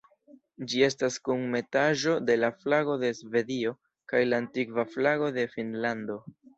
Ĝi estas kunmetaĵo de la flago de Svedio kaj la antikva flago de Finnlando.